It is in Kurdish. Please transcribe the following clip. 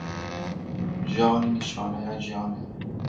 Jan nîşaneya jiyanê ye.